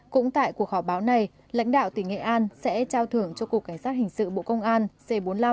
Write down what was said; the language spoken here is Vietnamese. cũng tại cuộc họp báo này lãnh đạo tỉnh nghệ an sẽ trao thưởng cho cục cảnh sát hình sự bộ công an c bốn mươi năm